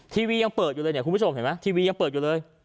ทีวียังเปิดอยู่เลยเนี่ยคุณผู้ชมเห็นไหมทีวียังเปิดอยู่เลย